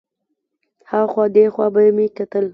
ها خوا دې خوا به مې کتل.